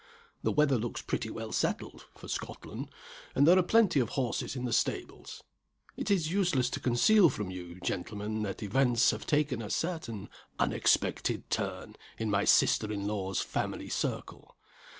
The weather looks pretty well settled (for Scotland), and there are plenty of horses in the stables. It is useless to conceal from you, gentlemen, that events have taken a certain unexpected turn in my sister in law's family circle.